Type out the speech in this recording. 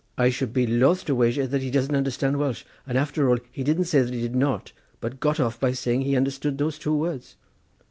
"I should be loth to wager that he doesn't understand Welsh; and after all he didn't say that he did not, but got off by saying he understood those two words."